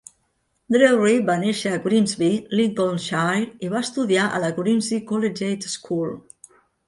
Drewry va néixer a Grimsby, Lincolnshire, i va estudiar a la Grimsby Collegiate School.